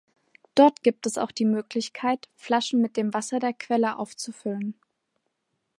Dort gibt es auch die Möglichkeit, Flaschen mit dem Wasser der Quelle aufzufüllen.